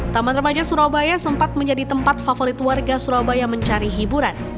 taman remaja surabaya sempat menjadi tempat favorit warga surabaya mencari hiburan